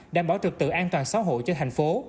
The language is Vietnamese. đảm bảo trực tự an toàn xã hội cho thành phố